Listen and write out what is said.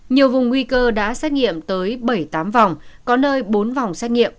nhiều vùng nguy cơ đã xét nghiệm tới bảy mươi tám vòng có nơi bốn vòng xét nghiệm